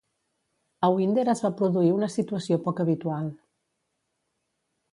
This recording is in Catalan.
A Winder es va produir una situació poc habitual.